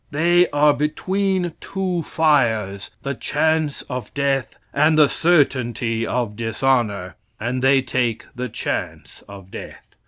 They are between two fires the chance of death and the certainty of dishonor, and they take the chance of death.